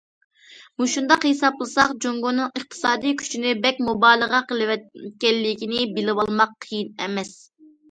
مۇشۇنداق ھېسابلىساق، جۇڭگونىڭ ئىقتىسادىي كۈچىنى بەك مۇبالىغە قىلىۋەتكەنلىكىنى بىلىۋالماق قىيىن ئەمەس.